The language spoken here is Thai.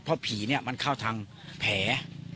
เพราะผีเนี่ยมันเข้าทางแผล